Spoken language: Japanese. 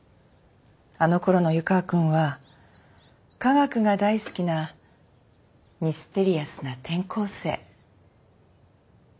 あのころの湯川君は科学が大好きなミステリアスな転校生。